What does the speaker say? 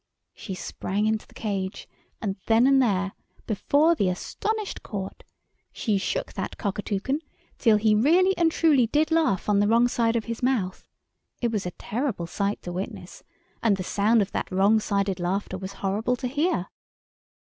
She sprang into the cage, and then and there, before the astonished Court, she shook that Cockatoucan till he really and truly did laugh on the wrong side of his mouth. It was a terrible sight to witness, and the sound of that wrong sided laughter was horrible to hear.